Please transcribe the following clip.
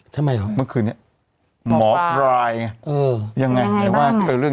ทำไมหรอเมื่อคืนนี้หมอปลายเออยังไงยังไงบ้างแต่เรื่อง